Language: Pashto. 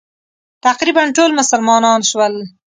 تقریباً ټول مسلمانان شول.